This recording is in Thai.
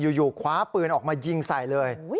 อยู่คว้าปืนออกมายิงใส่เลย